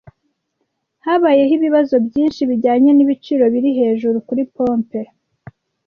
Habayeho ibibazo byinshi bijyanye n’ibiciro biri hejuru kuri pompe.